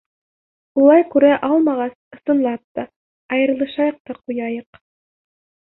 Улай күрә алмағас, ысынлап та, айырылышайыҡ та ҡуяйыҡ.